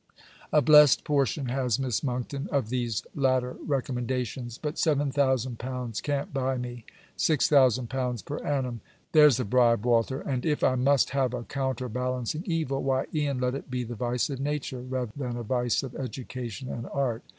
A blessed portion has Miss Monckton of these latter recommendations. But seven thousand pounds can't buy me. Six thousand pounds per annum! There's the bribe, Walter. And if I must have a counter balancing evil, why e'en let it be the vice of nature, rather than a vice of education and art.